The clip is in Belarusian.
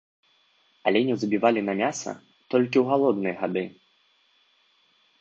Аленяў забівалі на мяса толькі ў галодныя гады.